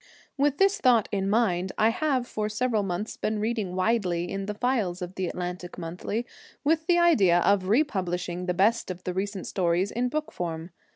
With this thought in mind, I have for several months been reading widely in the files of the Atlantic Monthly, with the idea of republishing the best of the recent stories in book form.